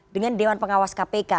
dengan dewan pengawas kpk